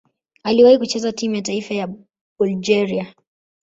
Aliwahi kucheza timu ya taifa ya Bulgaria.